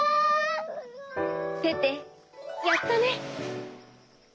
テテやったね！